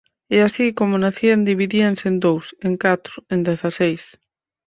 e así como nacían dividíanse en dous, en catro, en dezaseis.